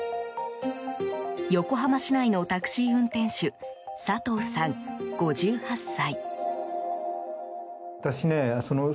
横浜市内のタクシー運転手佐藤さん、５８歳。